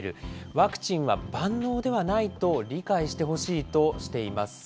ワクチンは万能ではないと理解してほしいとしています。